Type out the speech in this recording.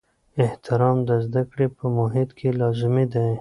احترام د زده کړې په محیط کې لازمي دی.